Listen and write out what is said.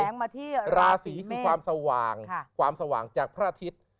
ส่องแสงมาที่ราศรีเมศราศรีคือความสว่างจากพระอาทิตย์